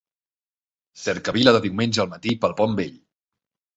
Cercavila de diumenge al matí pel Pont Vell.